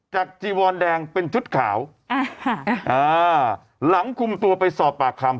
จีวอนแดงเป็นชุดขาวอ่าหลังคุมตัวไปสอบปากคำ